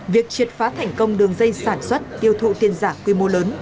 việc triệt phá thành công đường dây sản xuất tiêu thụ tiền giả quy mô lớn